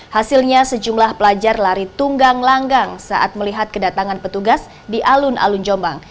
hasilnya sejumlah pelajar lari tunggang langgang saat melihat kedatangan petugas di alun alun jombang